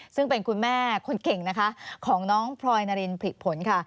ซึ่งเป็นคุณแม่คนเก่งนะคะของน้องพลอยนารินผลิผลค่ะ